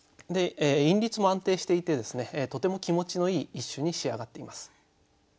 韻律も安定していてですねとても気持ちのいい一首に仕上がっています。